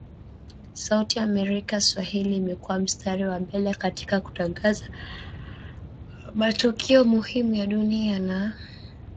Sauti ya America Swahili imekua mstari wa mbele katika kutangaza matukio muhimu ya dunia na yanayotokea kanda ya Afrika Mashariki na Kati